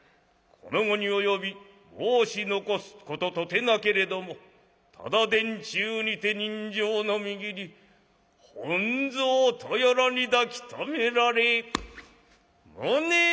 『この期に及び申し残すこととてなけれどもただ殿中にて刃傷のみぎり本蔵とやらに抱きとめられ無念』。